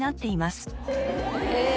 へえ！